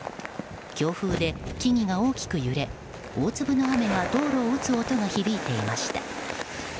強風で木々が大きく揺れ大粒の雨が道路を打つ音が響いていました。